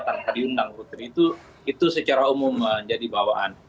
tanpa diundang putri itu secara umum menjadi bawaan